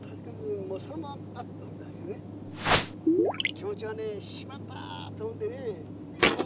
気持ちはね「しまった！」と思ってね。